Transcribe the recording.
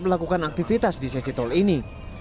melakukan aktivitas di sesi tol ini